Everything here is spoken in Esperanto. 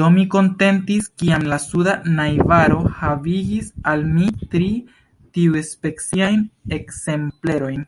Do, mi kontentis, kiam la suda najbaro havigis al mi tri tiuspeciajn ekzemplerojn.